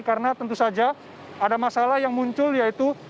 karena tentu saja ada masalah yang muncul yaitu